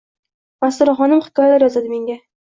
Masturaxonim hikoyalar yozadi menga.